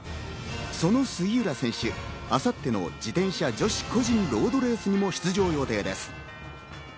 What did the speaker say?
その杉浦選手、明後日の自転車女子個人ロードレースにも出場予定です。